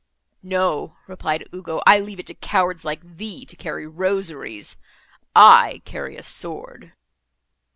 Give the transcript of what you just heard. "No," replied Ugo, "I leave it to cowards like thee, to carry rosaries—I carry a sword."